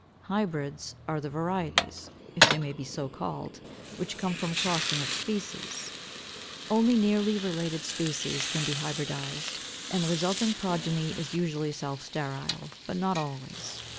HYBRIDS are the varieties, if they may be so called, which come from the crossing of species (331). Only nearly related species can be hybridized; and the resulting progeny is usually self sterile, but not always.